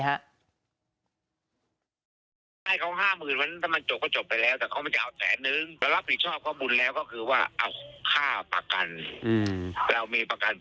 ไม่รู้ว่าเขาเฉลี่ยผมไม่รู้ว่าผมเฉลี่ยเขา